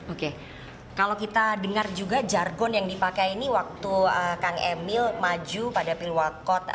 oke kalau kita dengar juga jargon yang dipakai ini waktu kang emil maju pada pilwakot